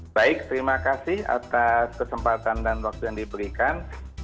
baik terima kasih atas kesempatan dan waktu yang diberikan